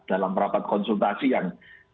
dalam rapat konsultasi yang